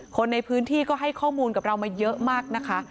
คนในพื้นที่ก็ให้ข้อมูลกับเรามาเยอะมากนะคะ